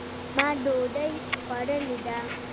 ما دوډۍ خوړلې ده